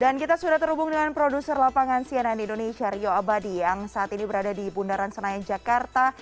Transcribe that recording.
dan kita sudah terhubung dengan produser lapangan sianan indonesia rio abadi yang saat ini berada di bundaran senayan jakarta